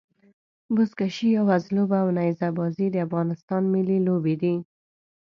بزکشي يا وزلوبه او نيزه بازي د افغانستان ملي لوبي دي.